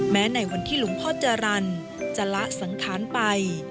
ในวันที่หลวงพ่อจรรย์จะละสังขารไป